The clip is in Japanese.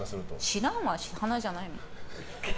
知らんわ、花じゃないもん。